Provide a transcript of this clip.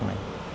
trong cái đêm đó